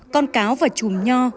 con cáo và chùm nho